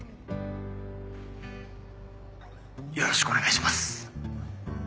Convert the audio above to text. よろしくお願いします。